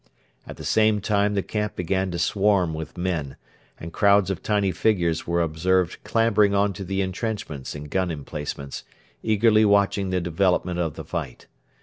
At the same time the camp began to swarm with men, and crowds of tiny figures were observed clambering on to the entrenchments and gun emplacements, eagerly watching the development of the fight.